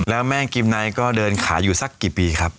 แล้วแม่งกิมไนท์ก็เดินขายอยู่สักกี่ปีครับ